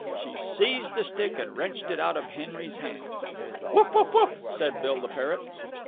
She seized the stick and wrenched it out of Henry's hand. "Woof woof woof!" said Bill the parrot.